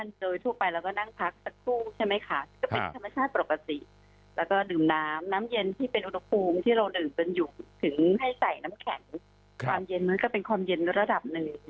งั้นนะครับแน่นอน่ะนะครับ